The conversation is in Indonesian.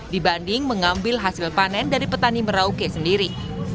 dibanding mengambil hasil panen dari petani merauke sendiri